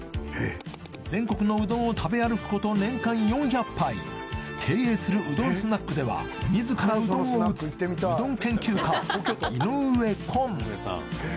全国のうどんを食べ歩くこと年間４００杯経営するうどんスナックではみずからうどんを打つうどん研究家井上こん